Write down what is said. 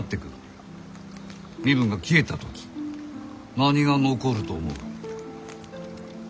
身分が消えた時何が残ると思う？